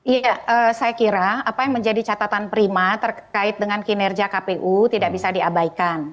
iya saya kira apa yang menjadi catatan prima terkait dengan kinerja kpu tidak bisa diabaikan